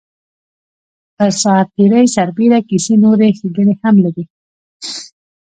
پر ساعت تېرۍ سربېره کیسې نورې ښیګڼې هم لري.